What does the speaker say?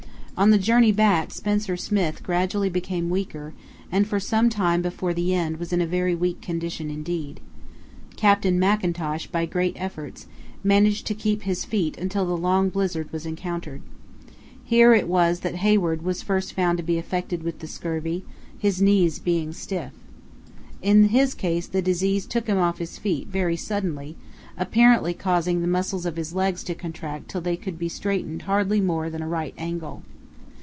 "On the journey back Spencer Smith gradually became weaker, and for some time before the end was in a very weak condition indeed. Captain Mackintosh, by great efforts, managed to keep his feet until the long blizzard was encountered. Here it was that Hayward was first found to be affected with the scurvy, his knees being stiff. In his case the disease took him off his feet very suddenly, apparently causing the muscles of his legs to contract till they could be straightened hardly more than a right angle.